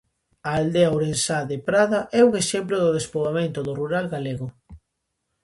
A aldea ourensá de Prada é un exemplo do despoboamento do rural galego.